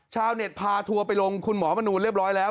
ชาวเน็ตพาทัวร์ไปลงคุณหมอมนูลเรียบร้อยแล้ว